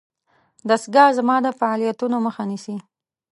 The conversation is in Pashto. دستګاه زما د فعالیتونو مخه نیسي.